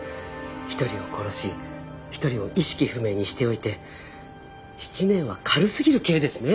１人を殺し１人を意識不明にしておいて７年は軽すぎる刑ですね